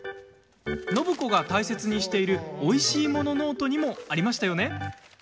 暢子が大切にしているおいしいものノートにもありましたよね。